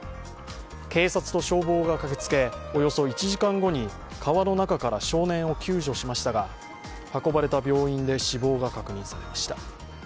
警察と消防が駆けつけ、およそ１時間後に川の中から少年を救助しましたが、運ばれた病院で死亡が確認されました。